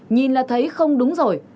nhìn là thấy không đúng rồi